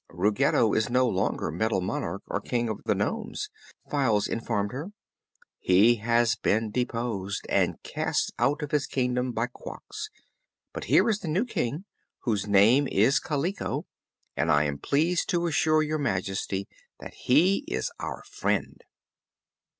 "Ruggedo is no longer Metal Monarch, or King of the nomes," Files informed her. "He has been deposed and cast out of his kingdom by Quox; but here is the new King, whose name is Kaliko, and I am pleased to assure Your Majesty that he is our friend."